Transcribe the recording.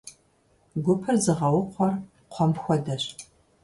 Гупыр зыгъэукхъуэр кхъуэм хуэдэщ.